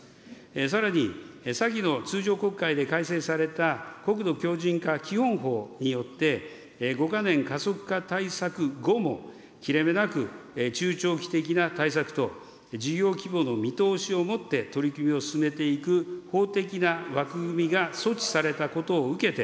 さらに、先の通常国会で改正された国土強じん化基本法によって５か年加速化対策後も切れ目なく中長期的な対策と、事業規模の見通しをもって取り組みを進めていく法的な枠組みが措置されたことを受けて、